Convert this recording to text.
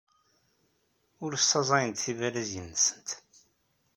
Ur ssaẓyent tibalizin-nsent.